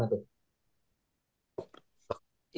itu dapet panggilan itu gimana